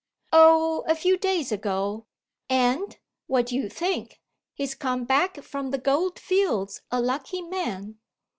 "Oh, a few days ago; and what do you think? he's come back from the goldfields a lucky man.